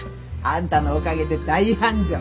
あんたのおかげで大繁盛。